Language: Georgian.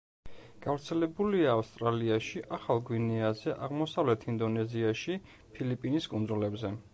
გავრცელებულია ავსტრალიაში, ახალ გვინეაზე, აღმოსავლეთ ინდონეზიაში, ფილიპინის კუნძულებზე.